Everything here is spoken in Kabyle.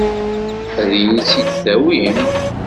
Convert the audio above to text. Ad iyi-tt-id-tawim?